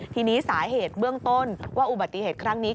ทีนี้สาเหตุเบื้องต้นว่าอุบัติเหตุครั้งนี้